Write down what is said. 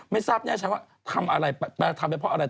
ไม่ทราบแน่ชัดว่าทำอะไรทำไปเพราะอะไร